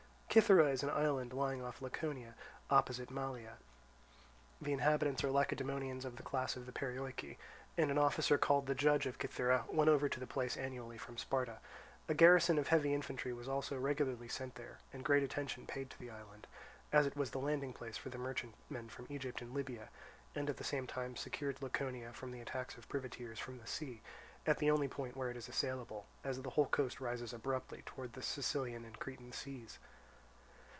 Cythera is an island lying off Laconia, opposite Malea; the inhabitants are Lacedaemonians of the class of the Perioeci; and an officer called the judge of Cythera went over to the place annually from Sparta. A garrison of heavy infantry was also regularly sent there, and great attention paid to the island, as it was the landing place for the merchantmen from Egypt and Libya, and at the same time secured Laconia from the attacks of privateers from the sea, at the only point where it is assailable, as the whole coast rises abruptly towards the Sicilian and Cretan seas.